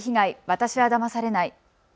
私はだまされない。